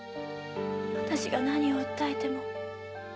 私が何を訴えても。